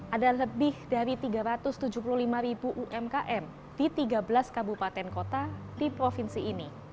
ada lebih dari tiga ratus tujuh puluh lima ribu umkm di tiga belas kabupaten kota di provinsi ini